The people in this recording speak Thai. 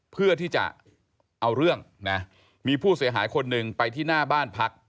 เพื่อที่จะเอาเรื่องนะมีผู้เสียหายคนหนึ่งไปที่หน้าบ้านพัก